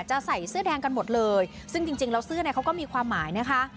ใส่เสื้อแดงกันหมดเลยซึ่งจริงแล้วเสื้อเนี่ยเขาก็มีความหมายนะคะ